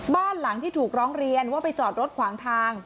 บ้านหลังที่ถูกร้องเรียนว่าไปจอดรถขวางทาง